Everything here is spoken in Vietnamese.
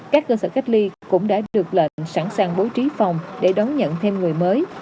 các cơ sở cách ly cũng đã được lệnh sẵn sàng bố trí phòng để đón nhận thêm người mới